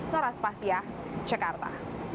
noras pasya cekarta